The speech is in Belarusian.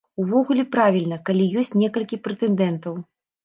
Увогуле правільна, калі ёсць некалькі прэтэндэнтаў.